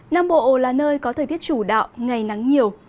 nam bộ là nơi có thời tiết chủ đạo ngày nắng nhiều